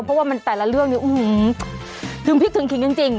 เพราะว่ามันแต่ละเรื่องนี้ถึงพิษถึงขิงจริง